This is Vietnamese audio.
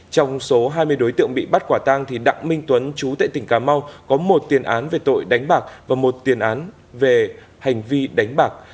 trong số hai mươi đối tượng bị bắt quả tang đặng minh tuấn chú tại tỉnh cà mau có một tiền án về tội đánh bạc và một tiền án về hành vi đánh bạc